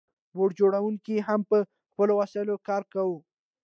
بوټ جوړونکو هم په خپلو وسایلو کار کاوه.